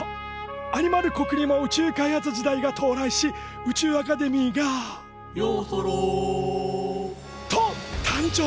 アニマル国にも宇宙開発時代が到来し宇宙アカデミーが「ようそろ」と誕生。